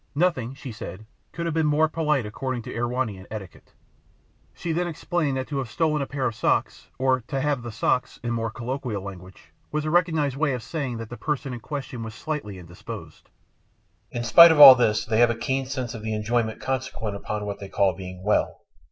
Nothing, she said, could have been more polite according to Erewhonian etiquette. She then explained that to have stolen a pair of socks, or "to have the socks" (in more colloquial language), was a recognised way of saying that the person in question was slightly indisposed. In spite of all this they have a keen sense of the enjoyment consequent upon what they call being "well."